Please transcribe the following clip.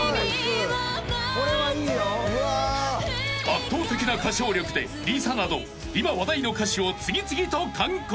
［圧倒的な歌唱力でＬｉＳＡなど今話題の歌手を次々と完コピ］